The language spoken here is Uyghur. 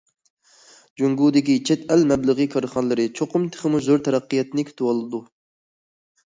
جۇڭگودىكى چەت ئەل مەبلىغى كارخانىلىرى چوقۇم تېخىمۇ زور تەرەققىياتنى كۈتۈۋالىدۇ.